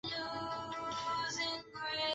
鼠掌老鹳草为牻牛儿苗科老鹳草属的植物。